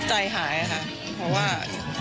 ใจหายค่ะเพราะว่า